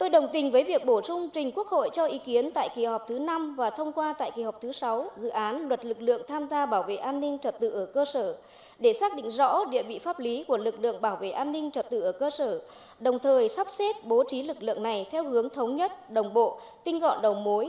đồng tình với việc bổ sung trình quốc hội cho ý kiến tại kỳ họp thứ năm và thông qua tại kỳ họp thứ sáu dự án luật lực lượng tham gia bảo vệ an ninh trật tự ở cơ sở để xác định rõ địa vị pháp lý của lực lượng bảo vệ an ninh trật tự ở cơ sở đồng thời sắp xếp bố trí lực lượng này theo hướng thống nhất đồng bộ tinh gọn đầu mối